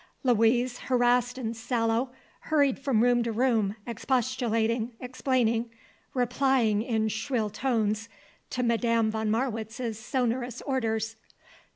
Louise, harassed and sallow, hurried from room to room, expostulating, explaining, replying in shrill tones to Madame von Marwitz's sonorous orders.